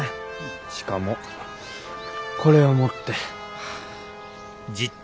しかもこれを持って。